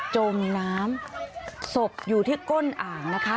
จมน้ำศพอยู่ที่ก้นอ่างนะคะ